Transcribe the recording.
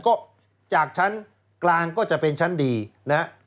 ก็จากชั้นกลางก็จะเป็นชั้นดีนะฮะ